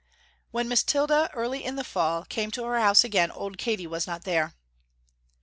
When Miss Mathilda early in the fall came to her house again old Katy was not there.